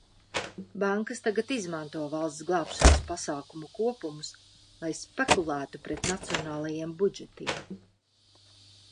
Bankas tagad izmanto valsts glābšanas pasākumu kopumus, lai spekulētu pret nacionālajiem budžetiem.